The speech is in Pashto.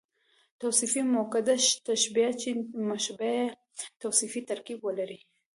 توصيفي مؤکده تشبیه، چي مشبه به ئې توصیفي ترکيب ولري.